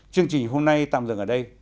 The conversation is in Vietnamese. chương trình hôm nay tạm dừng ở đây